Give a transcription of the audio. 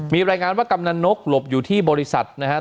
มีรายงานว่ากำนันนกหลบอยู่ที่บริษัทนะครับ